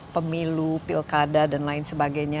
pemilu pilkada dan lain sebagainya